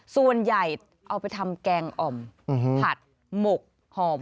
ส่วนใหญ่เอาไปทำแกงอ่อมผัดหมกหอม